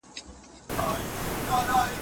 د موندلو لپاره د څراغ کار واخلي.